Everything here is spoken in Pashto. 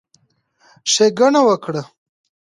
ښېګڼه وکړه،